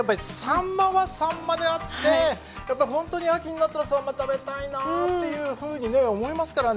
サンマはサンマであってやっぱり本当に秋になったらサンマ食べたいなあっていうふうにね思いますからね。